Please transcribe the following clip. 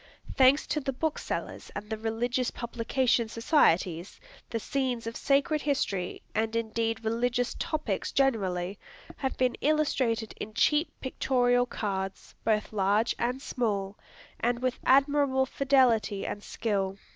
Thanks to the booksellers and the religious publication societies, the scenes of sacred history, and indeed religious topics generally, have been illustrated in cheap pictorial cards, both large and small, and with admirable fidelity and skill.